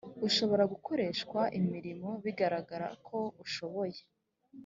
ushobora gukoreshwa imirimo bigaragara ko ushoboye